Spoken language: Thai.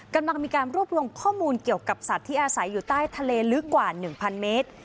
กำลังมีการรวบรวมข้อมูลเกี่ยวกับสัตว์ที่อาศัยอยู่ใต้ทะเลลึกกว่า๑๐๐เมตร